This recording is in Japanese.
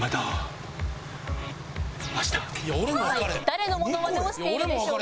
誰のモノマネをしているでしょうか？